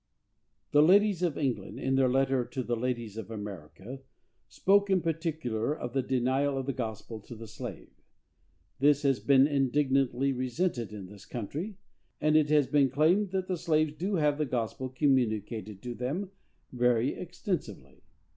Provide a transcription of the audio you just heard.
The ladies of England, in their letter to the ladies of America, spoke in particular of the denial of the gospel to the slave. This has been indignantly resented in this country, and it has been claimed that the slaves do have the gospel communicated to them very extensively.